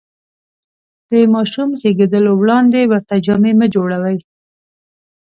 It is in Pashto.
د ماشوم زېږېدلو وړاندې ورته جامې مه جوړوئ.